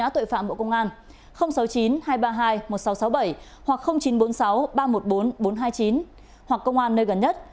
tội phạm bộ công an sáu mươi chín hai trăm ba mươi hai một nghìn sáu trăm sáu mươi bảy hoặc chín trăm bốn mươi sáu ba trăm một mươi bốn bốn trăm hai mươi chín hoặc công an nơi gần nhất